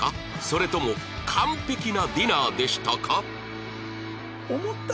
それとも完璧なディナーでしたか？